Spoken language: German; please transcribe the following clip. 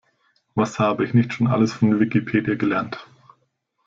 Was habe ich nicht schon alles von Wikipedia gelernt!